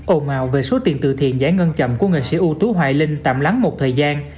ồn ào về số tiền từ thiện giải ngân chậm của nghệ sĩ ưu tú hoài linh tạm lắng một thời gian